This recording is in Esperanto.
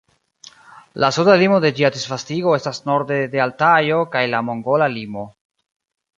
La suda limo de ĝia disvastigo estas norde de Altajo kaj la mongola limo.